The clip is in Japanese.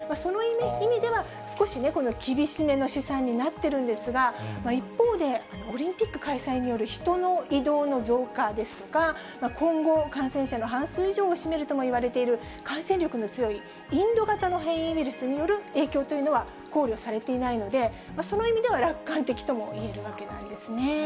そしてこの想定には、企業や大学での若者への接種というのは含まれていませんので、その意味では、少し厳しめな試算になっているんですが、一方で、オリンピック開催による人の移動の増加ですとか、今後、感染者の半数以上を占めるともいわれている感染力の強いインド型の変異ウイルスによる影響というのは考慮されていないので、その意味では楽観的とも言えるわけなんですね。